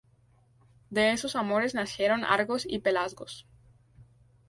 De esos amores nacieron Argos y Pelasgos.